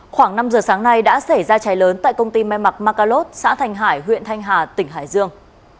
khoảng năm giờ sáng nay đã xảy ra trái lớn tại công ty mê mặt macalot xã thành hải huyện thanh hà tỉnh hải dương